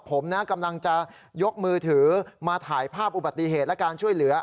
ผมนะกำลังจะยกมือถือมาถ่ายภาพอุบัติเหตุและการช่วยเหลือ